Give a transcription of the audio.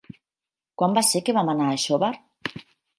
Quan va ser que vam anar a Xóvar?